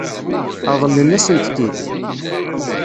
Ṛeḍlen-asent-t-id?